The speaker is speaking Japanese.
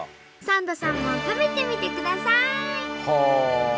サンドさんも食べてみてください！